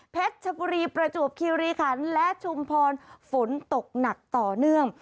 ชบุรีประจวบคิริขันและชุมพรฝนตกหนักต่อเนื่อง